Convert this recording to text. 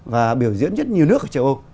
và biểu diễn rất nhiều nước ở châu âu